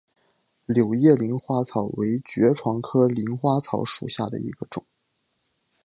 柳叶鳞花草为爵床科鳞花草属下的一个种。